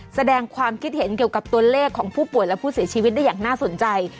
แสดงความคิดเห็นเกี่ยวกับตัวเลขของผู้ป่วยและผู้เสียชีวิตได้อย่างน่าสนใจ